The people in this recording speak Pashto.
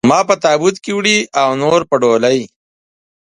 ما په تابوت کې وړي او نور په ډولۍ.